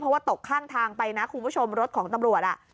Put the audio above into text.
เพราะว่าตกข้างทางไปนะคุณผู้ชมรถของตำรวจอ่ะ